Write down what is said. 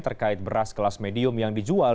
terkait beras kelas medium yang dijual